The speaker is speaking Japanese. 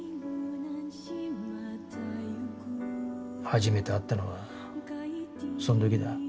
初めて会ったのはそん時だ。